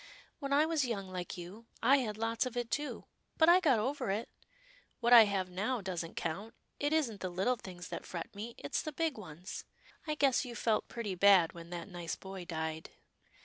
" When I was young like you, I had lots of it, too, but I got over it. What I have now doesn't count. It isn't the little things that fret me, it's the big ones — I guess you felt pretty bad when that nice boy died."